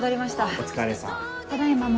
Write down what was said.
お疲れさん。